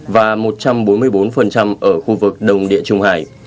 và một trăm bốn mươi bốn ở khu vực đồng địa trung hải